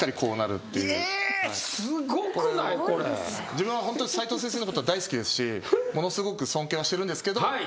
自分はホント斉藤先生のことは大好きですしものすごく尊敬はしてるんですけど。